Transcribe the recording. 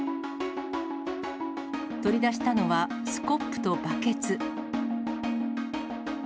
取り出したのは、スコップとバケツ。